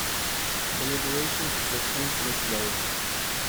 Deliberations were painfully slow.